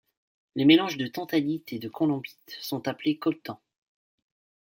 Les mélanges de tantalite et de columbite sont appelés coltan.